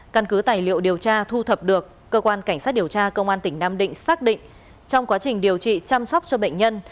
căn cứ tài liệu điều tra thu thập được cơ quan cảnh sát điều tra công an tỉnh nam định xác định trong quá trình điều trị chăm sóc cho bệnh nhân